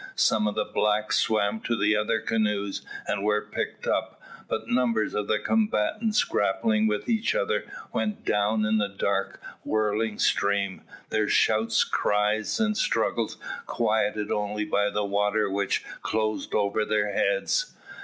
Some of the blacks swam to the other canoes, and were picked up, but numbers of the combatants, grappling with each other, went down in the dark whirling stream, their shouts, cries, and struggles quieted only by the water which closed over their heads.